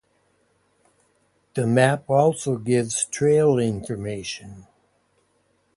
The map also gives trail information.